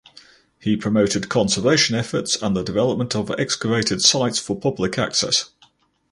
He promoted conservation efforts and the development of excavated sites for public access.